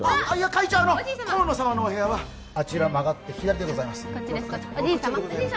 会長あの河野様のお部屋はあちら曲がって左でございます